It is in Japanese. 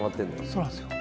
そうなんですよ。